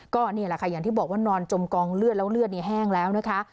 ก็นี่แหละค่ะอย่างที่บอกว่านอนจมกองเลือดแล้วเลือดแห้งแล้วนะคะ